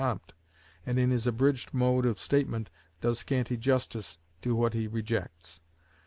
Comte, and in his abridged mode of statement does scanty justice to what he rejects.